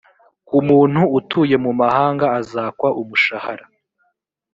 ku muntu utuye mu mahanga azakwa umushara